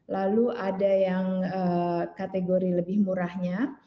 lalu ada yang kategori lebih murahnya